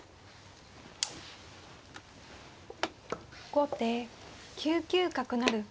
後手９九角成。